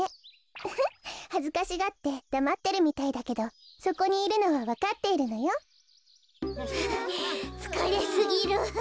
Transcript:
ウフッはずかしがってだまってるみたいだけどそこにいるのはわかっているのよ。はあつかれすぎる。